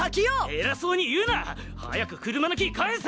エラそうに言うな！早く車のキー返せ！